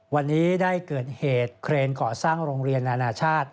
วันนี้ได้เกิดเหตุเครนก่อสร้างโรงเรียนนานาชาติ